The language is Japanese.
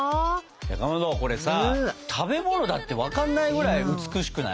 かまどこれさ食べ物だって分かんないぐらい美しくない？